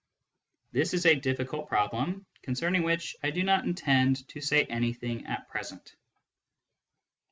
This is a difficult problem, concerning which I do not intend to say anything at present.